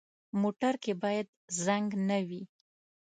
موټر کې باید زنګ نه وي.